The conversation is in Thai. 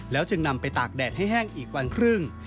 จึงนำไปตากแดดให้แห้งอีกวันครึ่ง